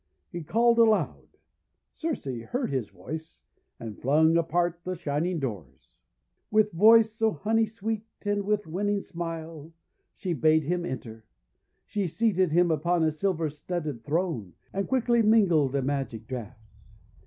He called aloud. Circe heard his voice, and flung apart the shining doors. With voice so honey sweet and with winning smile, she bade him enter. She seated him upon a silver studded throne, and quickly mingled a magic draught.